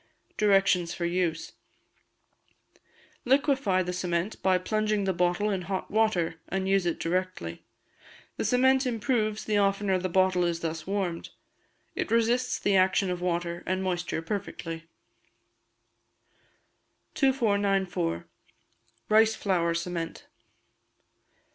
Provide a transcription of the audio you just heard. Directions for Use. Liquefy the cement by plunging the bottle in hot water, and use it directly. The cement improves the oftener the bottle is thus warmed; it resists the action of water and moisture perfectly. 2494. Rice Flour Cement.